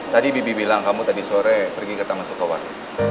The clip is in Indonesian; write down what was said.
tadi bibi bilang kamu tadi sore pergi ke taman sotowan